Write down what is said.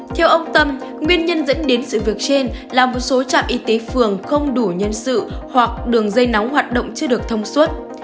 theo ông tâm nguyên nhân dẫn đến sự việc trên là một số trạm y tế phường không đủ nhân sự hoặc đường dây nóng hoạt động chưa được thông suốt